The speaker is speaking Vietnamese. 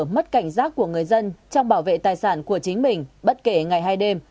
mất cảnh giác của người dân trong bảo vệ tài sản của chính mình bất kể ngày hay đêm